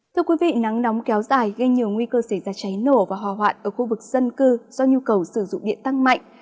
thưa quý vị nắng nóng kéo dài gây nhiều nguy cơ xảy ra cháy nổ và hòa hoạn ở khu vực dân cư do nhu cầu sử dụng điện tăng mạnh